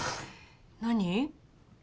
何？